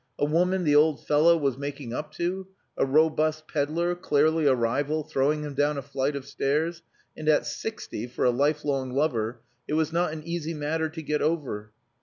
A woman the old fellow was making up to! A robust pedlar, clearly a rival, throwing him down a flight of stairs.... And at sixty, for a lifelong lover, it was not an easy matter to get over.